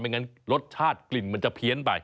งั้นรสชาติกลิ่นมันจะเพี้ยนไป